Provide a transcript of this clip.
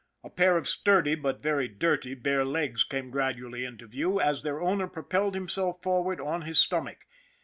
A pair of sturdy, but very dirty, bare legs came gradually into view as their owner propelled himself forward on his stomach.